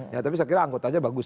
ya tapi saya kira anggotanya bagus